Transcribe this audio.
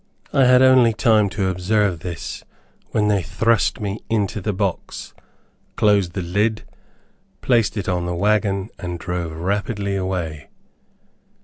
I had only time to observe this, when they thrust me into the box, closed the lid, placed it in the wagon, and drove rapidly away.